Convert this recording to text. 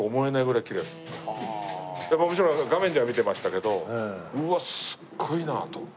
もちろん画面では見てましたけどうわすっごいなあと。